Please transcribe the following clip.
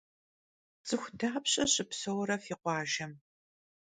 Ts'ıxu dapşe şıpseure fi khuajjem?